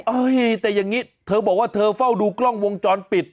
เอ้ยแต่อย่างนี้เธอบอกว่าเธอเฝ้าดูกล้องวงจรปิด